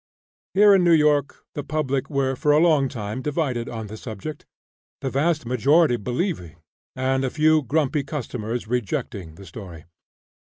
Here, in New York, the public were, for a long time, divided on the subject, the vast majority believing, and a few grumpy customers rejecting the story.